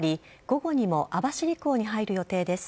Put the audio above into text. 午後にも網走港に入る予定です。